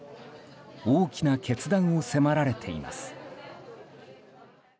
大きな決断を迫られています。